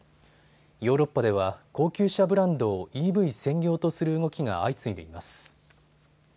ヨーロッパでは高級車ブランドをＥＶ専業とする動きが相次いでいます。